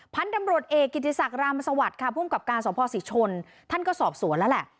พันธุ์ตำรวจเอกกิติศักดิรามสวัสดิ์ค่ะภูมิกับการสภศรีชนท่านก็สอบสวนแล้วแหละ